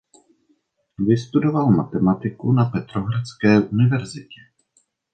Vystudoval matematiku na petrohradské univerzitě.